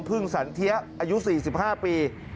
พึ่งสันเทียอายุ๔๕ปี